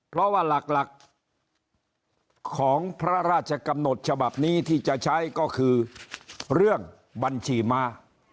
เพราะว่าหลักของพระราชกำหนดฉบับนี้ที่จะใช้ก็คือเรื่องบัญชีม้า